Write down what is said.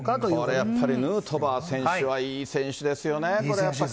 これやっぱり、ヌートバー選手はいい選手ですよね、これやっぱり。